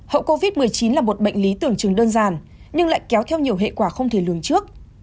hậu covid một mươi chín là một bệnh lý tưởng chừng đơn giản nhưng lại kéo theo nhiều hệ quả không thể lường trước